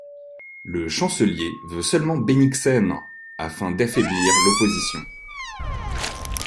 Le chancelier veut seulement Bennigsen afin d'affaiblir l'opposition.